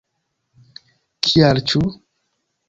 Kial, ĉu?